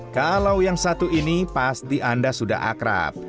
kalau yang satu ini pasti anda sudah akrab